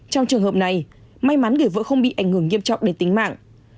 trong trường hợp này may mắn người vợ không bị ảnh hưởng nghiêm trọng đến tính mạng